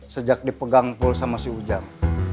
sejak dipegang pul sama si ujang